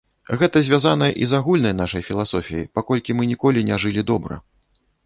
Гэта звязана і з агульнай нашай філасофіяй, паколькі мы ніколі не жылі добра.